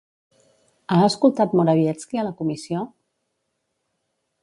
Ha escoltat Morawiecki a la Comissió?